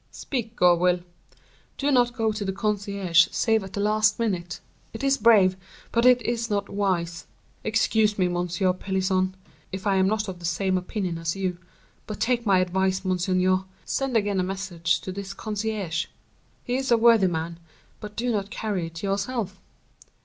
"Speak, Gourville." "Do not go to the concierge save at the last minute; it is brave, but it is not wise. Excuse me, Monsieur Pelisson, if I am not of the same opinion as you; but take my advice, monseigneur, send again a message to this concierge,—he is a worthy man, but do not carry it yourself."